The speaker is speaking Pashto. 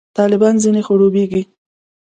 طالبان ځنې خړوبېږي.